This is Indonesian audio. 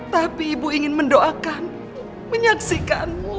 tapi ibu ingin mendoakan menyaksikanmu